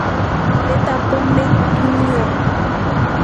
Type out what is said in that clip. Leta pombe tunywe